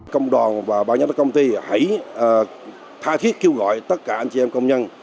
công đoàn và bao nhiêu công ty hãy tha thiết kêu gọi tất cả anh chị em công nhân